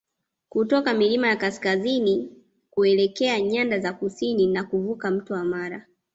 kutoka milima ya kaskazini kuelekea nyanda za kusini na kuvuka mto wa Mara